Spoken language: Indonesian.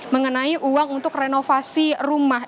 mengenai uang untuk renovasi rumah